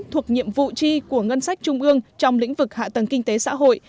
thuộc nhiệm vụ chi của ngân sách trung ương trong lĩnh vực hạ tầng kinh tế xã hội